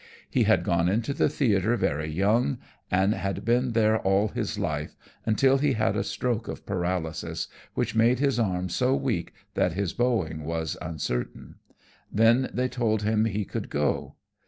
He had gone into the theatre very young, and had been there all his life, until he had a stroke of paralysis, which made his arm so weak that his bowing was uncertain. Then they told him he could go.